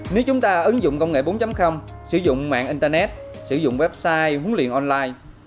nếu chúng ta ứng dụng công nghệ bốn sử dụng mạng internet sử dụng website huấn luyện online